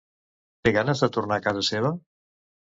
Té ganes de tornar a casa seva?